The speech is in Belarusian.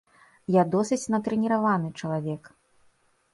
Я досыць натрэніраваны чалавек.